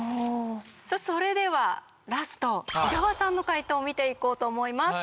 それではラスト伊沢さんの解答を見ていこうと思います。